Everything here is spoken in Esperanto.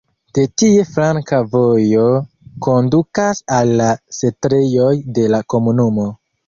De tie flanka vojo kondukas al la setlejoj de la komunumo.